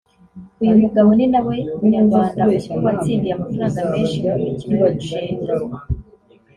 uyu mugabo ninawe munyarwanda uzwi watsindiye amafaranga menshi mu mikino yo gusheta